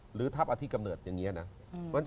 หรือทัพอาทิตย์กำเนิดอย่างนี้นะ